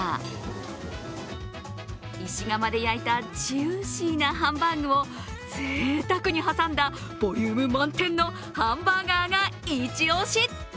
石窯で焼いたジューシーなハンバーグをぜいたくに挟んだボリューム満点のハンバーガーが一押し。